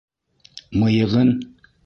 Мыйығын?!